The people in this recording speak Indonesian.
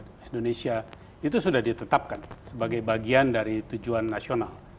yang masuk ke indonesia itu sudah ditetapkan sebagai bagian dari tujuan nasional